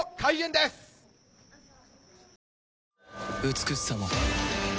美しさも